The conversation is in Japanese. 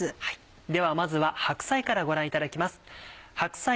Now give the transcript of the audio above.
ではまずは白菜からご覧いただきます。